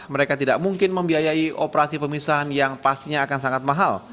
mereka tidak mungkin membiayai operasi pemisahan yang pastinya akan sangat mahal